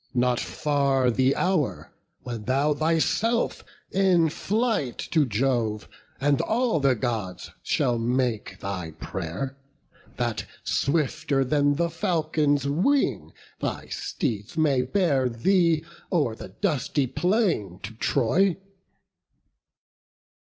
Not far the hour, when thou thyself in flight To Jove and all the Gods shalt make thy pray'r, That swifter than the falcon's wing thy steeds May bear thee o'er the dusty plain to Troy."